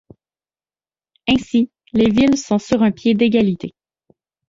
Ainsi, les villes son sur un pied d’égalité.